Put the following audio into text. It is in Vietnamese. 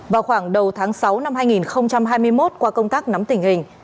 vào khoảng đầu tháng sáu năm hai nghìn hai mươi một qua công tác nắm tình hình